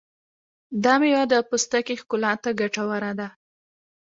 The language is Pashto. دا مېوه د پوستکي ښکلا ته ګټوره ده.